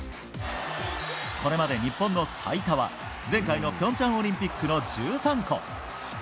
これまで日本の最多は前回の平昌オリンピックの１３個。